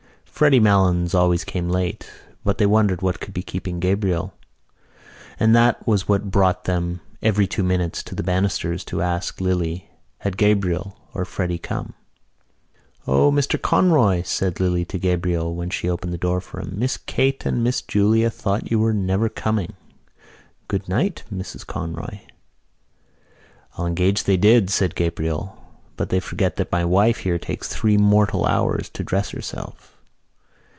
Freddy Malins always came late but they wondered what could be keeping Gabriel: and that was what brought them every two minutes to the banisters to ask Lily had Gabriel or Freddy come. "O, Mr Conroy," said Lily to Gabriel when she opened the door for him, "Miss Kate and Miss Julia thought you were never coming. Good night, Mrs Conroy." "I'll engage they did," said Gabriel, "but they forget that my wife here takes three mortal hours to dress herself."